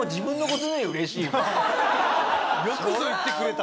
よくぞ言ってくれた。